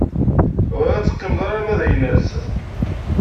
Bɣiɣ ad teqqimed arma d aynas.